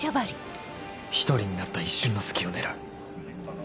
１人になった一瞬の隙を狙う